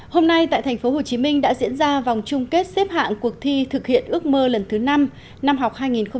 hôm nay tại tp hcm đã diễn ra vòng chung kết xếp hạng cuộc thi thực hiện ước mơ lần thứ năm năm học hai nghìn một mươi sáu hai nghìn một mươi bảy